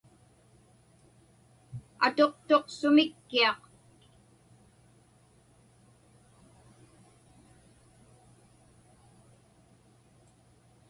Atuqtuq sumik-kiaq.